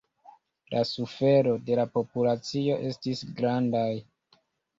La sufero de la populacio estis grandaj.